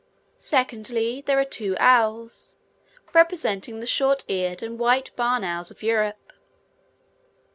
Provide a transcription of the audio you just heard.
Secondly, there are two owls, representing the short eared and white barn owls of Europe.